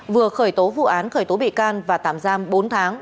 vừa khởi tố vụ án khởi tố bị can và tạm giam bốn tháng